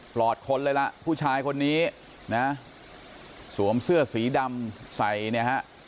อดคนเลยล่ะผู้ชายคนนี้นะสวมเสื้อสีดำใส่เนี่ยฮะ